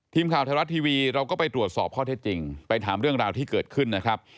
ทีมข่าวไทยรัฐทีวีเราก็ไปตรวจสอบข้อเท็จจริงไปถามเรื่องราวที่เกิดขึ้นนะครับ